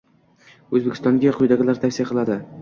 O'zbekistonga quyidagilarni tavsiya qiladi